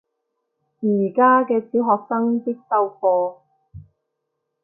而家嘅小學生必修課